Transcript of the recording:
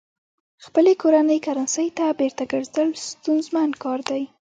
خپلې کورنۍ کرنسۍ ته بېرته ګرځېدل ستونزمن کار دی.